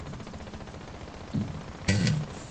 بې مانا کیلمې جمله نه جوړوي.